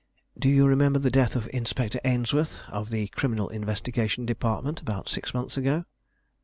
Do you remember the death of Inspector Ainsworth, of the Criminal Investigation Department, about six months ago?"